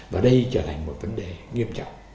và đây trở thành một vấn đề nghiêm trọng